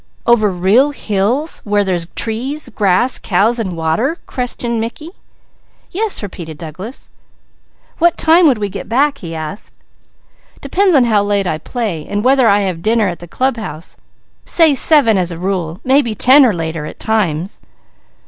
"Over real hills, where there's trees, grass, cows and water?" questioned Mickey. "Yes," repeated Douglas. "What time would we get back?" he asked. "Depends on how late I play, and whether I have dinner at the club house, say seven as a rule, maybe ten or later at times."